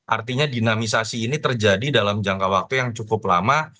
artinya dinamisasi ini terjadi dalam jangka waktu yang cukup lama